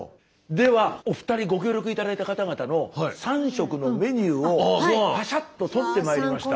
ではお二人ご協力頂いた方々の３食のメニューをパシャッと撮ってまいりました。